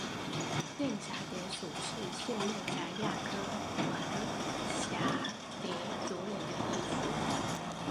漪蛱蝶属是线蛱蝶亚科环蛱蝶族里的一属。